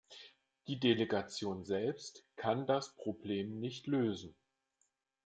Die Delegation selbst kann das Problem nicht lösen.